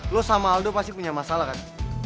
lo sama aldo pasti punya masalah kan